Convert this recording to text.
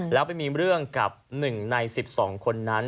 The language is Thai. แล้วไปมีเรื่องกับ๑ใน๑๒คนนั้น